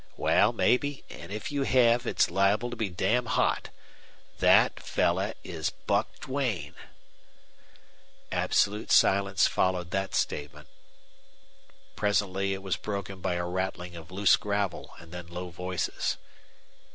"Wal, mebbe, an' if you hev it's liable to be damn hot. THET FELLER WAS BUCK DUANE!" Absolute silence followed that statement. Presently it was broken by a rattling of loose gravel and then low voices.